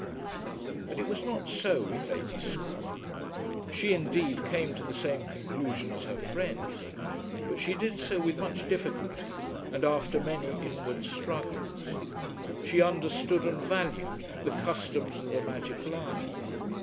But it was not so with Lady Scroope. She, indeed, came to the same conclusion as her friend, but she did so with much difficulty and after many inward struggles. She understood and valued the customs of the magic line.